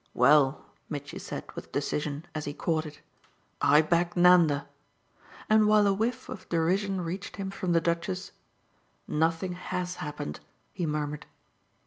"Well," Mitchy said with decision as he caught it "I back Nanda." And while a whiff of derision reached him from the Duchess, "Nothing HAS happened!" he murmured.